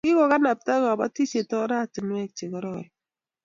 Kikokanabta kobotisiet oratinwek che kororon